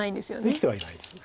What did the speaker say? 生きてはいないです。